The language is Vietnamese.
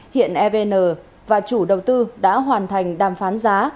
hiện evn và chủ đầu tư đã hoàn thành đàm phán giá